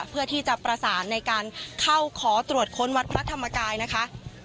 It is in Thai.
เพื่อที่จะประสานในการเข้าขอตรวจค้นวัดพระธรรมกายนะคะ